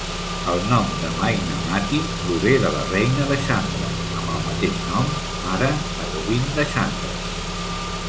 El nom de Mainamati prové de la reina de Chandra amb el mateix nom, mare de Govindachandra.